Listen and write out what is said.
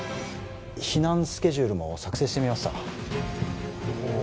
避難スケジュールも作成してみましたおおっ